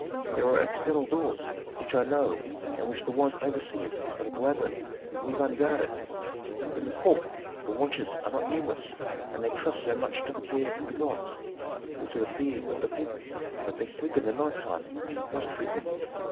"There are external doors which I know and which the wise overseers of the labyrinth leave unguarded. In the court the watches are not numerous and they trust so much to the care of the gods, or to the fear of the people that they sleep in the night time most frequently.